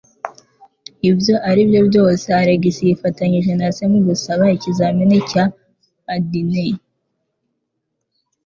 Ibyo ari byo byose, Alex yifatanije na se mu gusaba ikizamini cya ADN.